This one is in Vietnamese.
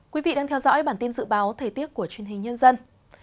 quý vị đang theo dõi bản tin dự báo thời tiết của truyền hình nhân dân